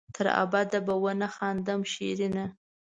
تر ابده به ونه خاندم شېرينه